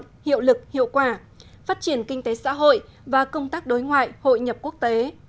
thực hiệu quả phát triển kinh tế xã hội và công tác đối ngoại hội nhập quốc tế